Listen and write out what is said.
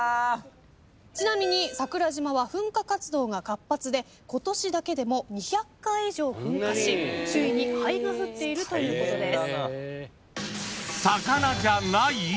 ちなみに桜島は噴火活動が活発で今年だけでも２００回以上噴火し周囲に灰が降っているということです。